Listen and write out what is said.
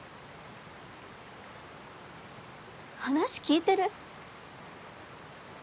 話聞いてる？